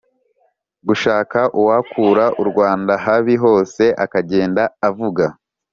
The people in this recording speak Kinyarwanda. gushaka uwakura u rwanda habi, hose akagenda avuga